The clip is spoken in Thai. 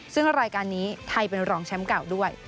ซึ่งรายการนี้ไทยเป็นรองแชมป์เก่าด้วย